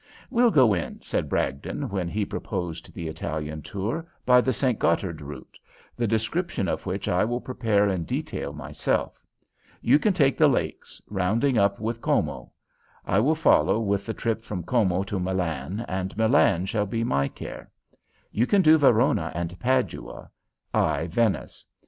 "We'll go in," said Bragdon, when he proposed the Italian tour, "by the St. Gothard route, the description of which I will prepare in detail myself. You can take the lakes, rounding up with Como. I will follow with the trip from Como to Milan, and Milan shall be my care. You can do Verona and Padua; I Venice.